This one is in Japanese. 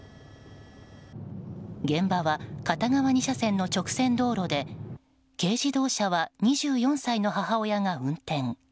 現場は片側２車線の直線道路で軽自動車は２４歳の母親が運転。